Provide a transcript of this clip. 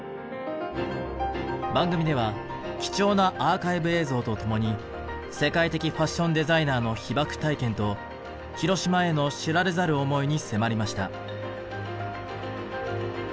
番組では貴重なアーカイブ映像と共に世界的ファッションデザイナーの被爆体験と広島への知られざる思いに迫りました。